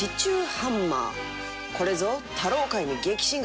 これぞ。